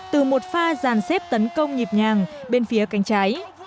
từ một pha giàn xếp tấn công nhịp nhàng bên phía cánh trái